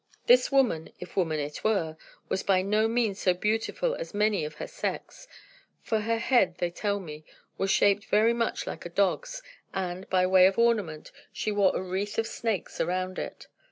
This woman (if woman it were) was by no means so beautiful as many of her sex; for her head, they tell me, was shaped very much like a dog's, and, by way of ornament, she wore a wreath of snakes around it.